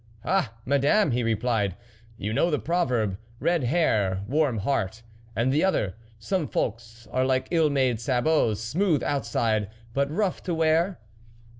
" Ah! Madame," he replied, "you know the proverb :' Red hair, warm heart,' and the other :' Some folks are like ill made sabots, smooth outside, but rough to wear